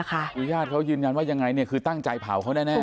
สุย่าสเขายืนยันว่ายังไงคือตั้งใจเผาเขาแน่